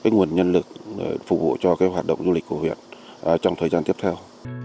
nguồn nhân lực phục vụ cho hoạt động du lịch của huyện trong thời gian tiếp theo